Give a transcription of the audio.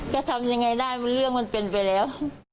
จะทำยังไงได้เรื่องมันเป็นไปแล้ว